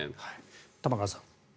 玉川さん。